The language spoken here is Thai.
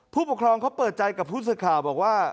ผู้ปกครองเขาเปิดใจกับผู้สื่อข่าวบอกว่า